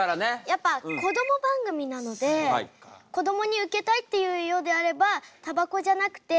やっぱこども番組なのでこどもにウケたいっていうようであればタバコじゃなくてバナナとか。